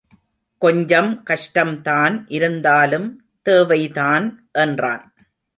கொஞ்சம் கஷ்டம்தான் இருந்தாலும் தேவைதான் என்றான்.